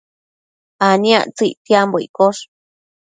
aniactsëc ictiambo iccosh